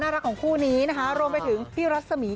โรงไปถึงพี่รัสสมี